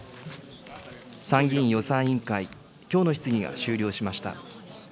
参議院予算委員会、きょうの質疑が終了しました。